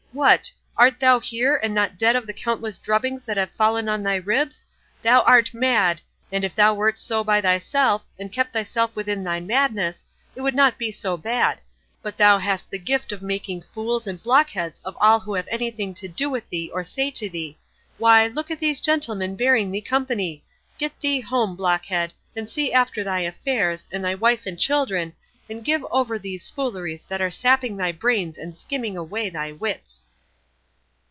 What! art thou here, and not dead of the countless drubbings that have fallen on thy ribs? Thou art mad; and if thou wert so by thyself, and kept thyself within thy madness, it would not be so bad; but thou hast the gift of making fools and blockheads of all who have anything to do with thee or say to thee. Why, look at these gentlemen bearing thee company! Get thee home, blockhead, and see after thy affairs, and thy wife and children, and give over these fooleries that are sapping thy brains and skimming away thy wits."